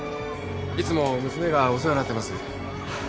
いつも娘がお世話になってます。